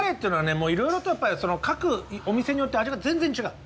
もういろいろとやっぱり各お店によって味が全然違う。